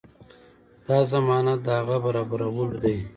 دا ضمانت د هغه برابرولو دی.